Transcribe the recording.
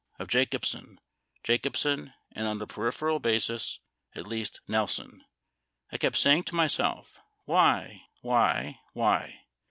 of Jacobsen, Jacobsen, and on a peripheral basis, at least, Nelson. I kept saying to myself, why, why, why.